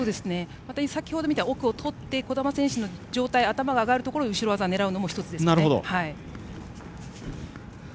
また、先ほど見たように奥をとって、児玉選手の頭が上がるところを後ろ技を狙うのも１つですね。